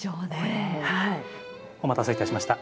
お待たせいたしました。